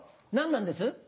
何なんです？